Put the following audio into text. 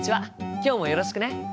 今日もよろしくね。